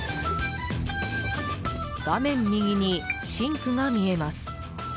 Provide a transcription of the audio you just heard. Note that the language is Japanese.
画面右にシンクが見えます。